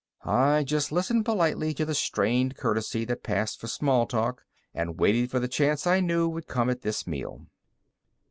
I just listened politely to the strained courtesy that passed for small talk and waited for the chance I knew would come at this meal.